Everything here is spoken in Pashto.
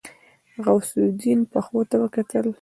غوث الدين پښو ته وکتل.